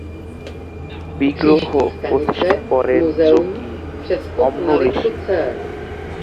বিগ্রহ প্রতিষ্ঠা করেন যোগী অন্মুঋষি।